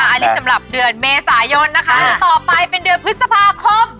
อันนี้สำหรับเดือนเมษายนนะคะต่อไปเป็นเดือนพฤษภาคม